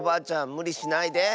むりしないで。